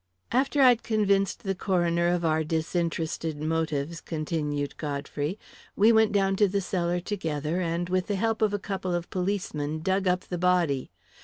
"After I'd convinced the coroner of our disinterested motives," continued Godfrey, "we went down to the cellar together, and, with the help of a couple of policemen, dug up the body.